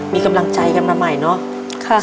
มีกำลังใจกันมาใหม่เนาะ